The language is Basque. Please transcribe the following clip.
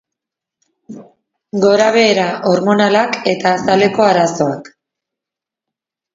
Gorabehera hormonalak eta azaleko arazoak.